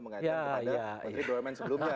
mengajak kepada menteri bumn sebelumnya